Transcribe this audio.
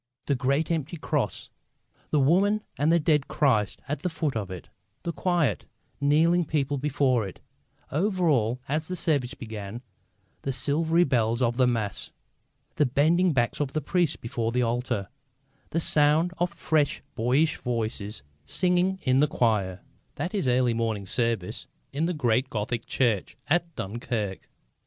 The great empty Cross; the woman and the dead Christ at the foot of it; the quiet, kneeling people before it; over all, as the services began, the silvery bell of the Mass; the bending backs of the priests before the altar; the sound of fresh, boyish voices singing in the choir that is early morning service in the great Gothic church at Dunkirk.